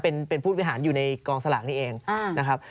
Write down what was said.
เป็นผู้บริหารอยู่ในกองสลากนี้เองนะครับ